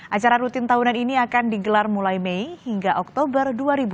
acara rutin tahunan ini akan digelar mulai mei hingga oktober dua ribu dua puluh